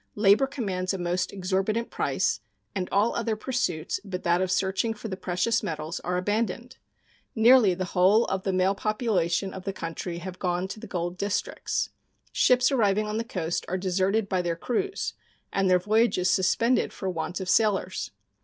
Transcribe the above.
Labor commands a most exorbitant price, and all other pursuits but that of searching for the precious metals are abandoned. Nearly the whole of the male population of the country have gone to the gold districts. Ships arriving on the coast are deserted by their crews and their voyages suspended for want of sailors.